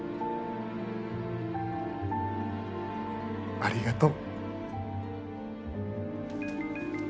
ありがとう。